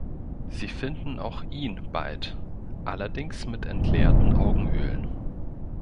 Sie finden auch ihn bald, allerdings mit entleerten Augenhöhlen.